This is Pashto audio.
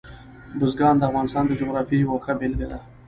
بزګان د افغانستان د جغرافیې یوه ښه بېلګه ده.